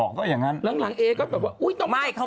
วะเขาไม่ทำเองอ่ะ